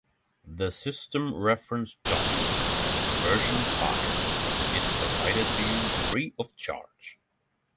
The System Reference Document, version five, is provided to you free of charge.